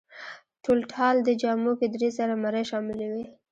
ټولټال دې جامو کې درې زره مرۍ شاملې وې.